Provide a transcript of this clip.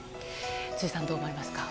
辻さん、どう思われますか。